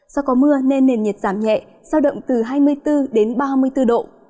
do có mưa nên nền nhiệt giảm nhẹ giao động từ hai mươi bốn đến ba mươi bốn độ